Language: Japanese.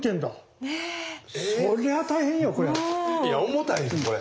いや重たいよこれ！